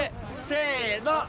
せの！